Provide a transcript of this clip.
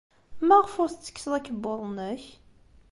Maɣef ur tettekkseḍ akebbuḍ-nnek?